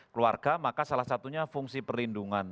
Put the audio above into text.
keluarga maka salah satunya fungsi perlindungan